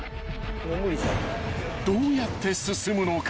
［どうやって進むのか］